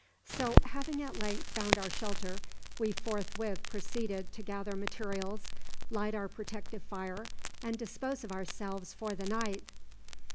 So, having at length found our shelter, we forthwith proceeded to gather materials, light our protective fire, and dispose of ourselves for the night.